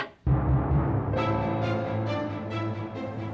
bih nona kamu juga bohongin mama